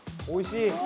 おいしい？